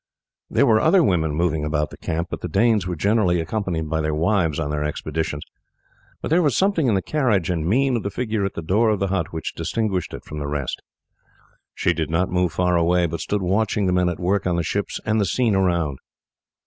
There were other women moving about the camp, for the Danes were generally accompanied by their wives on their expeditions; but there was something in the carriage and mien of the figure at the door of the hut which distinguished it from the rest. She did not move far away, but stood watching the men at work on the ships and the scene around.